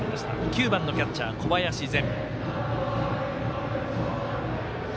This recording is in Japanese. ９番のキャッチャー、小林然。